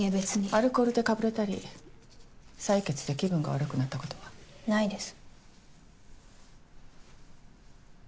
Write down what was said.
アルコールでかぶれたり採血で気分が悪くなったことは？ないです。